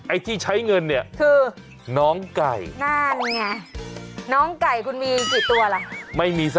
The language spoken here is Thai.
ไอ้ที่ใช้เงินเนี่ย